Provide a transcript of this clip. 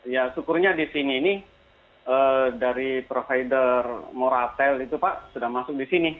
ya syukurnya di sini ini dari provider moratel itu pak sudah masuk di sini